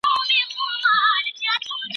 د سياستپوهني اصول تل ثابت نه دي پاته سوي.